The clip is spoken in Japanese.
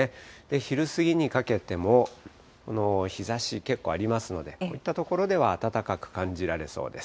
昼過ぎにかけても日ざし、結構ありますので、こういった所では暖かく感じられそうです。